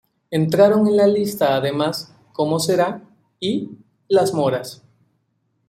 Entraron en la lista además "Cómo será" y "Las moras".